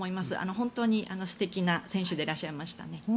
本当に素敵な選手でいらっしゃいましたね。